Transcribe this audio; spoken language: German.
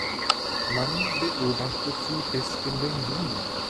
Man beobachtet sie bis in den Juni.